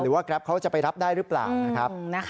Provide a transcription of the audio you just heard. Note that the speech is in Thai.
หรือว่าแกรปเขาจะไปรับได้หรือเปล่า